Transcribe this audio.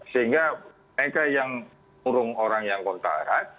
sehingga mereka yang murung orang yang kontak erat